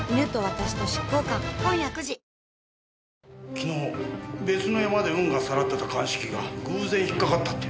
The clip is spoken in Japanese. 昨日別のヤマで運河さらってた鑑識が偶然引っかかったって。